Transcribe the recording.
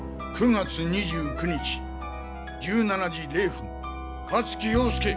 ９月２９日１７時０分香月陽介